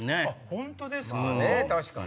本当ですか？